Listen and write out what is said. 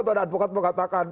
tuan advokat mau katakan